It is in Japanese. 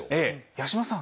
八嶋さん